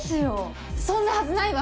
そんなはずないわ！